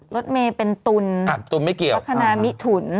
รถเมล์เป็นตุ๋นตุ๋นไม่เกี่ยวพัฒนามิถุ๋น